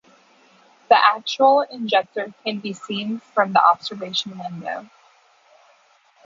The actual injector can be seen from the observation window.